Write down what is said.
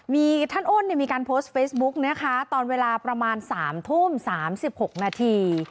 มีท่านอ้นมีการโพสต์เฟซบุ๊กนะคะตอนเวลาประมาณ๓ทุ่ม๓๖นาที